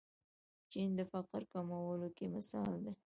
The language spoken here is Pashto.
چین د فقر کمولو کې مثال دی.